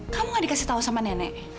kamu gak dikasih tahu sama nenek